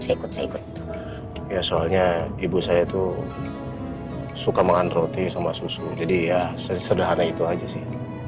saya ikut saya ikut ya soalnya ibu saya tuh suka makan roti sama susu jadi ya sederhana itu aja sih